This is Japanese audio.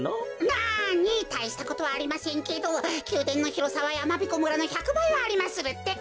なにたいしたことはありませんけどきゅうでんのひろさはやまびこ村の１００ばいはありまするってか。